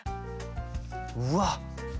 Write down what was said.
うわっ！